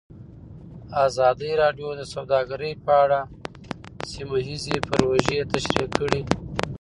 ازادي راډیو د سوداګري په اړه سیمه ییزې پروژې تشریح کړې.